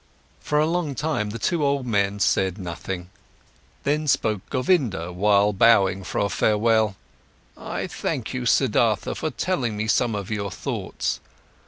For a long time, the two old men said nothing. Then spoke Govinda, while bowing for a farewell: "I thank you, Siddhartha, for telling me some of your thoughts.